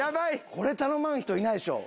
これ頼まん人いないでしょう。